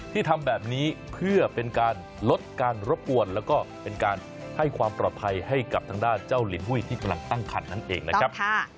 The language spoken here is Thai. ที่ทำแบบนี้เพื่อเป็นการลดการรบกวนแล้วก็เป็นการให้ความปลอดภัยให้กับทางด้านเจ้าลินหุ้ยที่กำลังตั้งคันนั่นเองนะครับ